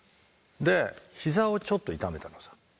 で膝をちょっと痛めたのさ。